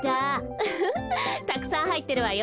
ウフフたくさんはいってるわよ。